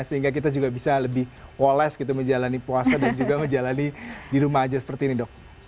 sehingga kita juga bisa lebih wales gitu menjalani puasa dan juga menjalani di rumah aja seperti ini dok